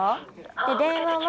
で電話は。